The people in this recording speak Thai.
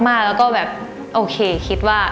แล้วก็แบบโอเคคิดว่า